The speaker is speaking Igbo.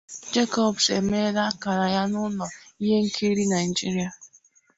Jacobs emeela akara ya na ụlọ ihe nkiri Naịjirịa.